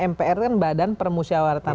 mpr kan badan permusyawaratan